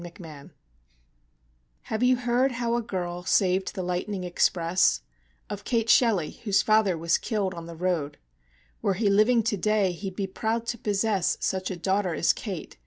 _ Kate Shelly Have you heard how a girl saved the lightning express Of Kate Shelly, whose father was killed on the road? Were he living to day, he'd be proud to possess Such a daughter as Kate.